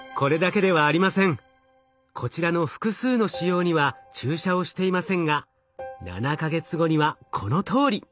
こちらの複数の腫瘍には注射をしていませんが７か月後にはこのとおり！